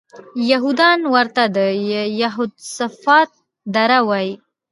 یهودان ورته د یهوسفات دره وایي.